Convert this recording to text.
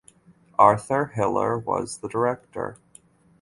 Arthur Hiller was the director.